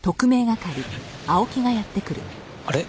あれ？